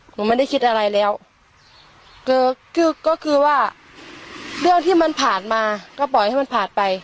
หนูไม่ได้คิดอะไรแล้วก็คือก็คือว่าเรื่องที่มันผ่านมาก็ปล่อยให้มันผ่านไป